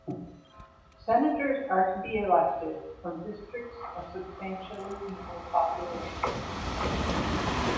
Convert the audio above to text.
Senators are to be elected from districts of substantially equal population.